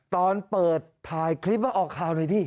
ตอนเปิดถ่ายคลิปมาออกข่าวหน่อยดิ